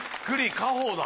家宝だ。